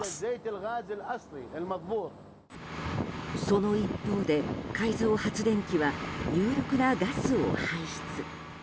その一方で、改造発電機は有毒なガスを排出。